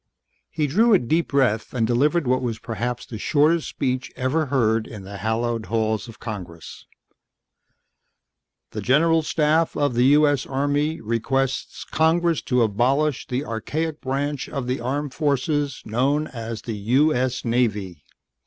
He drew a deep breath and delivered what was perhaps the shortest speech ever heard in the hallowed halls of Congress: "The General Staff of the U.S. Army requests Congress to abolish the archaic branch of the armed forces known as the U.S. Navy."